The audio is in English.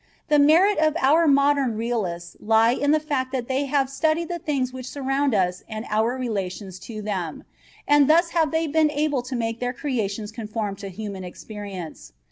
The merit of our modern realists lies in the fact that they have studied the things which surround us and our relations to them, and thus have they been able to make their creations conform to human experience.